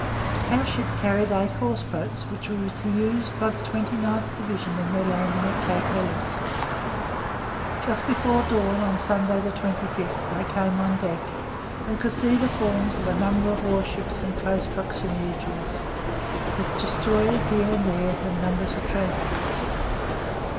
Our ship carried eight horse boats, which were to be used by the 29th Division in their landing at Cape Helles. Just about dawn on Sunday the 25th I came on deck and could see the forms of a number of warships in close proximity to us, with destroyers here and there and numbers of transports.